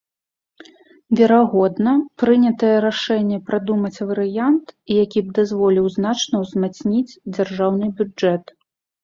Верагодна, прынятае рашэнне прадумаць варыянт, які б дазволіў значна ўзмацніць дзяржаўны бюджэт.